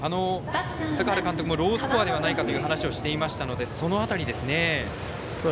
坂原監督もロースコアではないかという話をしていましたのでその辺りですね。